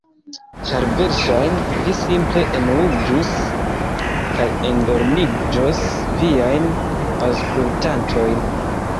Ĉar versaĵne vi simple enuiĝus kaj endormiĝos viajn aŭskultantojn.